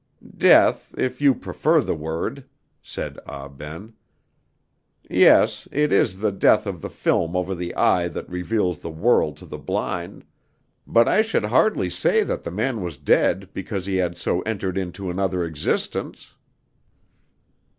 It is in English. "Death, if you prefer the word," said Ah Ben. "Yes, it is the death of the film over the eye that reveals the world to the blind; but I should hardly say that the man was dead because he had so entered into another existence."